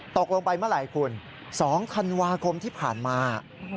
ตกลงไปเมื่อไหร่คุณ๒ธันวาคมที่ผ่านมา